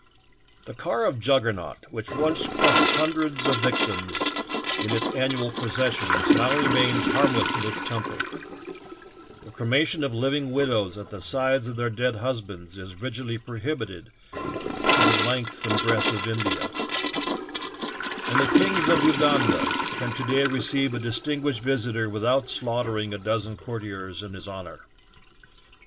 The car of Juggernaut, which once crushed hun dreds of victims in its annual processions, now remains harmless in its temple; the cremation of living widows at the sides of their dead husbands is rigidly prohibited through the length and breadth of India; and the King of Uganda can to day receive a distinguished visitor without slaughtering a dozen courtiers in his honor.